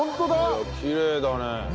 いやあきれいだね。